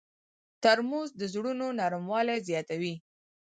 ترموز د زړونو نرموالی زیاتوي.